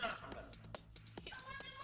orang orang ada bu